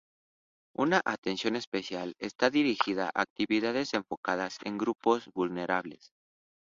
Una atención especial está dirigida a actividades enfocadas en grupos vulnerables.